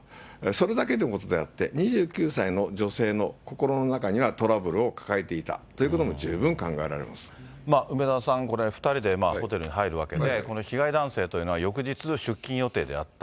それだけのことであって、２９歳の女性の心の中にはトラブルを抱えていたということも、十梅沢さん、これ２人でホテルに入るわけで、この被害男性というのは、翌日、出勤予定であった。